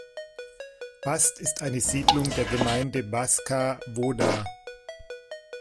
Bast ist eine Siedlung der Gemeinde Baška Voda.